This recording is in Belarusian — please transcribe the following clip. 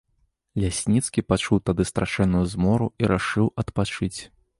Лясніцкі пачуў тады страшэнную змору і рашыў адпачыць.